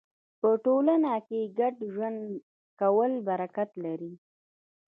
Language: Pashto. په ټولنه کې ګډ ژوند کول برکت لري.